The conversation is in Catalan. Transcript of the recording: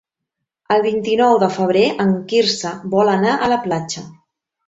El vint-i-nou de febrer en Quirze vol anar a la platja.